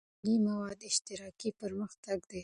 د علمي موادو اشتراک پرمختګ دی.